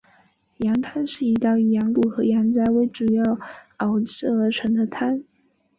羊汤是一道以羊骨和羊杂为主料熬制而成的汤。